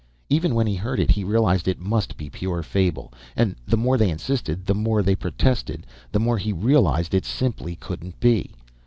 Even when he heard it, he realized it must be pure fable. And the more they insisted, the more they protested, the more he realized it simply couldn't be.